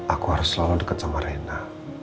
aku harus selalu deket sama rena